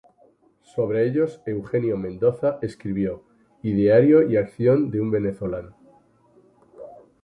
Sobre ellos, Eugenio Mendoza escribió "Ideario y acción de un venezolano".